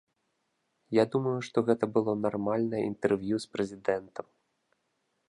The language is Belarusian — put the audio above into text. Я думаю, што гэта было нармальнае інтэрв'ю з прэзідэнтам.